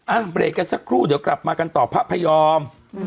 เบรกกันสักครู่เดี๋ยวกลับมากันต่อพระพยอม